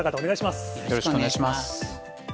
よろしくお願いします。